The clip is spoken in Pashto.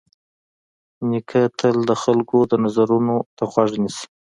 نیکه تل د خلکو د نظرونو ته غوږ نیسي.